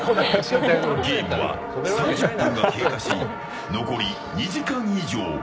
ゲームは３０分が経過し残り２時間以上。